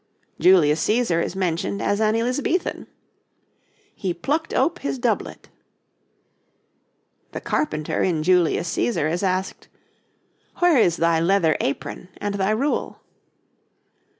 Julius Cæsar is mentioned as an Elizabethan: 'He plucked ope his doublet.' The Carpenter in 'Julius Cæsar' is asked: 'Where is thy leather apron and thy rule?'